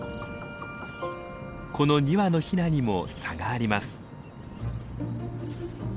この２羽のヒナにも差があります。